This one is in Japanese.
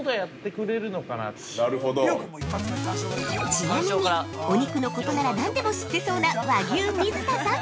◆ちなみに、お肉のことなら何でも知ってそうな和牛・水田さん。